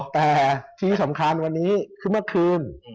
แต่ที่สำคัญวันนี้คือเมื่อคืน